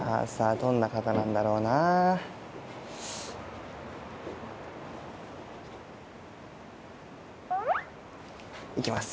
どんな方なんだろうな。いきます。